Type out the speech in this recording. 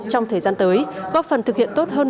trong thời gian tới góp phần thực hiện tốt hơn